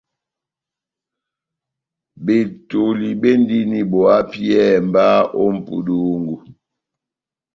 Betoli bendini bo hapiyɛhɛ mba ó mʼpudungu.